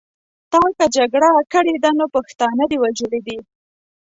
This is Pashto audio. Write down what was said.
تا که جګړه کړې ده نو پښتانه دې وژلي دي.